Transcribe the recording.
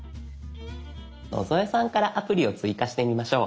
野添さんからアプリを追加してみましょう。